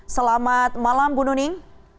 selamat malam bu nuning